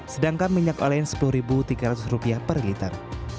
sedangkan minyak olen rp sepuluh tiga ratus per liter